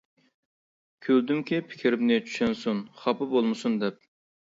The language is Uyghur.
كۈلدۈمكى، پىكرىمنى چۈشەنسۇن، خاپا بولمىسۇن دەپ.